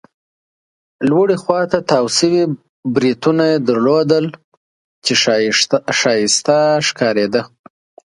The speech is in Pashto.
لوړې خوا ته تاو شوي بریتونه يې درلودل، چې ښایسته ښکارېده.